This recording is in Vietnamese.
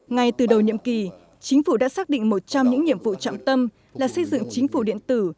ngay từ đầu nhiệm kỳ chính phủ đã xác định một trong những nhiệm vụ trọng tâm là xây dựng chính phủ điện tử